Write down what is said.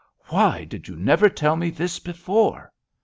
"Why did you never tell me this before?"